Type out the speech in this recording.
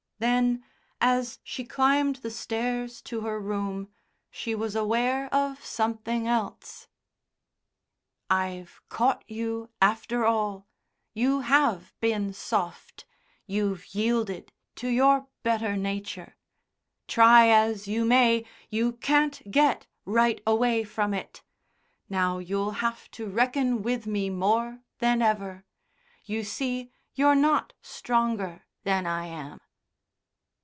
Then as she climbed the stairs to her room, she was aware of something else. "I've caught you, after all. You have been soft. You've yielded to your better nature. Try as you may you can't get right away from it. Now you'll have to reckon with me more than ever. You see you're not stronger than I am."